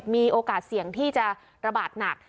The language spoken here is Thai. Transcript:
มีโอกาสเสี่ยงที่จะระบาดหนัก